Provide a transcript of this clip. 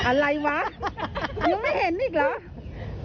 อะไรวะหนูไม่เห็นอีกเหรอ